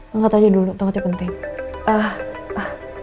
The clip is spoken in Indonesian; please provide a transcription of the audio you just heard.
angkat aja dulu tengok tengok penting